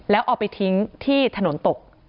แล้วเอาไปทิ้งที่ถนนตก